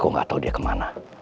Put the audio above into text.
aku gak tau dia kemana